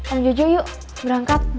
om jojo yuk berangkat